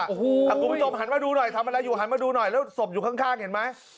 คุณผู้ชมหันมาดูหน่อยทำอะไรอยู่หันมาดูหน่อยแล้วศพอยู่ข้างเห็นไหม